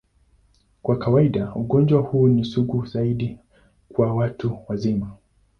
Kwa kawaida, ugonjwa huu ni sugu zaidi kwa watu wazima.